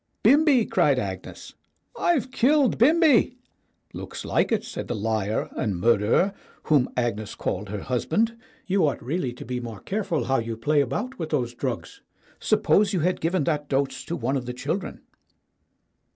"Bimbi!" cried Agnes. "I've killed Bimbi." "Looks like it," said the liar and murderer whom Agnes called her husband. "You ought really to be more careful how you play about with those drugs. Suppose you had given that dose to one of the chil dren."